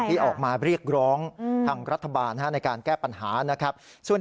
ที่ออกมาเรียกร้องทางรัฐบาลในการแก้ปัญหานะครับ